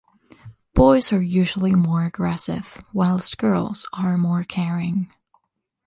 Boys are usually more aggressive, whilst girls are more caring.